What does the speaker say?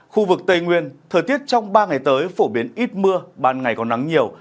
khu vực tây nguyên thời tiết trong ba ngày tới phổ biến ít mưa ban ngày còn nắng nhiều